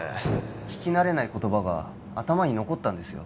聞き慣れない言葉が頭に残ったんですよ